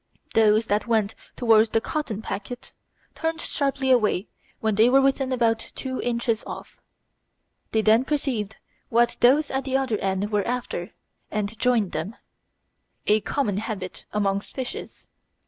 Those that went towards the cotton packet turned sharply away when they were within about two inches off. They then perceived what those at the other end were after and joined them a common habit amongst fishes.